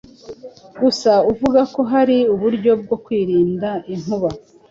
Gusa avuga ko hari uburyo bwo kwirinda inkuba